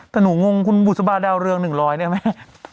แต่หนูงงคุณบุษบาดาวเรื่องหนึ่งร้อยเนี่ยไหม